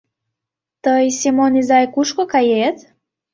— Тый, Семон изай, кушко кает?